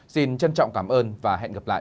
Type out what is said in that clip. xin trân trọng cảm ơn và hẹn gặp lại